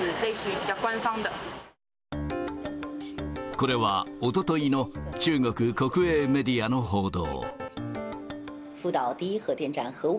これはおとといの中国国営メディアの報道。